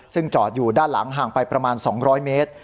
ซึ่งจอดอยู่ด้านหลังห่างไปประมาณ๒๐๐เมตร